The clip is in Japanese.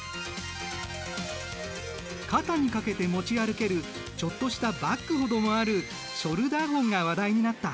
肩にかけて持ち歩けるちょっとしたバッグほどもあるショルダーホンが話題になった。